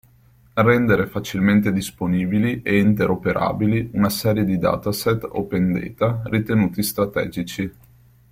Rendere facilmente disponibili e interoperabili una serie di dataset Open Data ritenuti strategici.